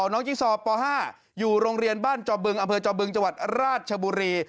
น้องยีซอป๕อยู่โรงเรียนบ้านจอบึงอำเภอจอบึงจังหวัดราชบุรี